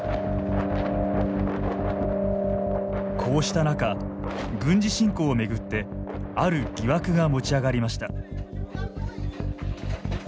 こうした中軍事侵攻を巡ってある疑惑が持ち上がりました。